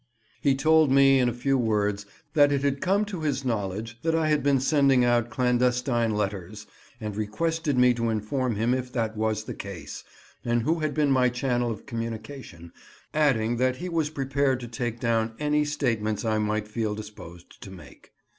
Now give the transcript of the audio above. He told me, in a few words, that it had come to his knowledge that I had been sending out clandestine letters, and requested me to inform him if that was the case, and who had been my channel of communication, adding that he was prepared to take down any statements I might feel disposed to make.